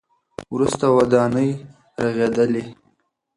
وروسته ودانۍ رغېدلې.